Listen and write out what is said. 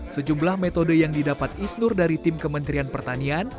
sejumlah metode yang didapat isnur dari tim kementerian pertanian